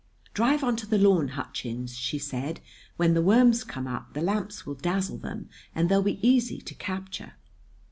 "Drive onto the lawn, Hutchins," she said. "When the worms come up, the lamps will dazzle them and they'll be easy to capture."